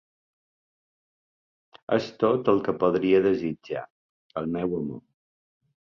Ets tot el que podria desitjar, el meu amor.